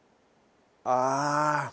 ああ。